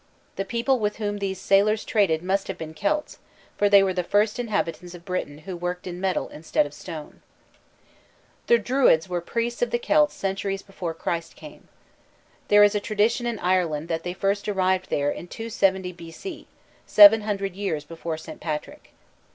The people with whom these sailors traded must have been Celts, for they were the first inhabitants of Britain who worked in metal instead of stone. The Druids were priests of the Celts centuries before Christ came. There is a tradition in Ireland that they first arrived there in 270 B. C., seven hundred years before St. Patrick.